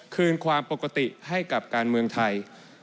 คืนความปกติให้กับการเมืองไทย